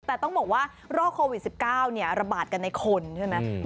แต่ต้องบอกว่าโรคโควิด๑๙ระบาดกันในคนใช่ไหม